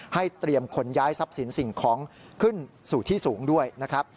เตรียมขนย้ายทรัพย์สินสิ่งของขึ้นสู่ที่สูงด้วยนะครับ